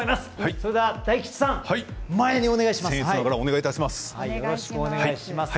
それでは、大吉さん前にお願いします。